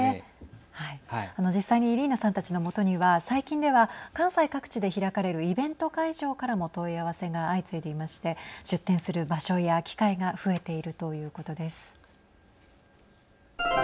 実際にイリーナさんたちのもとには最近では関西各地で開かれるイベント会場からも問い合わせが相次いでいまして出店する場所や機会が増えているということです。